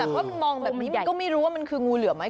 แต่มองแบบนี้ก็ไม่รู้ว่ามันคืองูเหลือมไหม